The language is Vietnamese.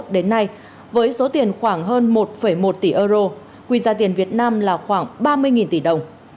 đến nay với số tiền khoảng hơn một một tỷ euro quy giá tiền việt nam là khoảng ba mươi tỷ đồng